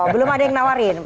belum ada yang nawarin